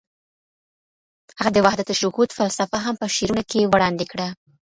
هغه د وحدت الشهود فلسفه هم په شعرونو کې وړاندې کړه.